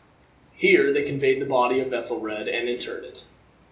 Here they conveyed the body of Ethelred and interred it.